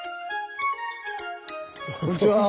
こんにちは。